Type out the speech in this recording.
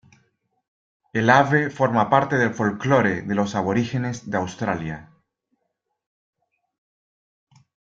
El ave forma parte del folclore de los aborígenes de Australia.